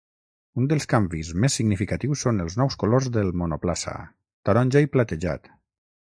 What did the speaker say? Un dels canvis més significatius són els nous colors del monoplaça: taronja i platejat.